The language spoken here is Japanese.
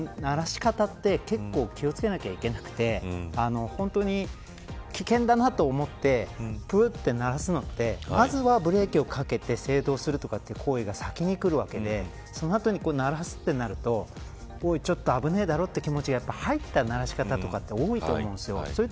鳴らし方って結構気を付けなくちゃいけなくて本当に危険だなと思ってプって鳴らすのってまずはブレーキをかけて制動するとかいう行為が先にくるわけでその後に鳴らすとなるとおい、ちょっと危ないだろうという気持ちが入った鳴らし方って多いと思うんです。